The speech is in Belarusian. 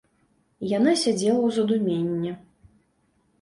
Яна сядзела ў задуменні.